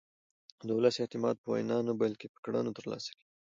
د ولس اعتماد په ویناوو نه بلکې په کړنو ترلاسه کېږي